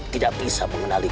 tidak bisa mengenaliku